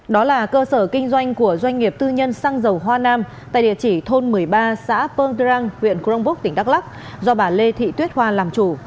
đó là cơ sở kinh doanh của doanh nghiệp tư nhân xăng dầu hoa nam tại địa chỉ thôn một mươi ba xã pơng trang huyện crong vúc tỉnh đắk lắk do bà lê thị tuyết hoa làm chủ